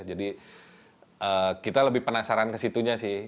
jadi kita lebih penasaran ke situnya sih